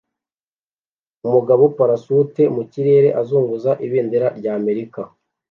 Umugabo parasute mu kirere azunguza ibendera ry'Amerika